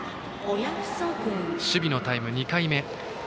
守備のタイム、２回目。